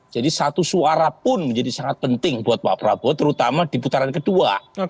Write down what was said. jadi satu suara pun menjadi sangat penting buat pak prabowo terutama di putaran kedua